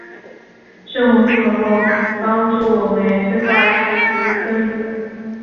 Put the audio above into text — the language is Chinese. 血红素能够帮助酶催化其底物分子。